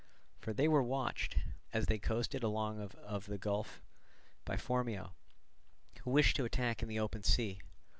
For they were watched, as they coasted along out of the gulf, by Phormio, who wished to attack in the open sea.